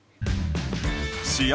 試合